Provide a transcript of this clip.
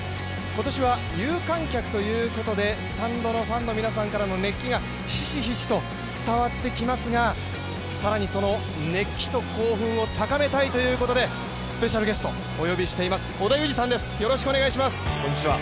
今年は有観客ということでスタンドのファンの皆さんからの熱気がひしひしと伝わってきますが、更に熱気と興奮を高めたいということでスペシャルゲストをお呼びしています、織田裕二さんです。